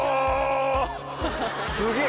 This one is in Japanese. すげえ